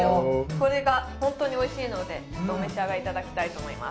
これがホントにおいしいのでお召し上がりいただきたいと思います